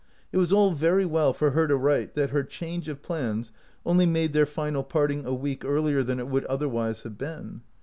It was all very well for her to write that her change of plans only made their final part ing a week earlier than it would otherwise .have been.